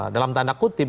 dalam tanda kutip